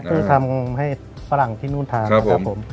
ที่ทำให้ฝรั่งที่นู่นทานนะครับผม